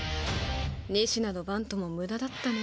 仁科のバントも無駄だったね。